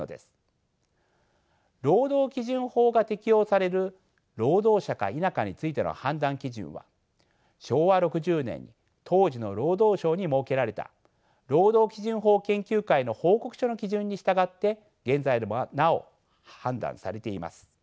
労働基準法が適用される労働者か否かについての判断基準は昭和６０年に当時の労働省に設けられた労働基準法研究会の報告書の基準に従って現在でもなお判断されています。